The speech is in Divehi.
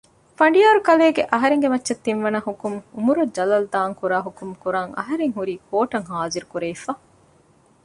ފަނޑިޔާރުކަލޭނގެ އަހަރެންގެ މައްޗަށް ތިން ވަނަ ޙުކުމްކޮށް ޢުމުރަށް ޖަލަށްދާން ކުރާ ޙުކުމުކުރާން އަހަރެން ހުރީ ކޯޓަށް ޙާޟިރުކުރެވިފަ